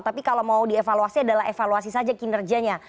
tapi kalau mau dievaluasi adalah evaluasi saja kinerjanya